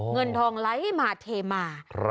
เงินทองไลฟ์ให้มาเทมา